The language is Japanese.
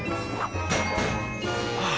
ああ。